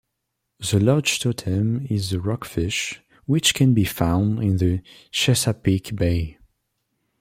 The Lodge totem is the Rockfish, which can be found in the Chesapeake Bay.